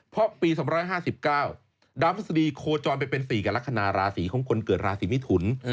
เพราะปี๒๕๙ดาวพฤษฎีโคจรไปเป็น๔กับลักษณะราศีของคนเกิดราศีมิถุน